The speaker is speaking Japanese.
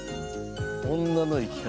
「女の生き方」